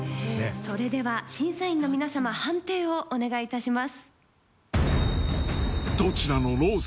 それでは審査員の皆さま判定をお願いいたします。